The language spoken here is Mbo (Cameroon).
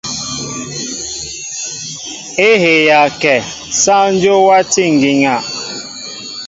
É heya kɛ , sááŋ Dyó wátí ŋgiŋa.